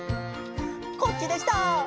こっちでした！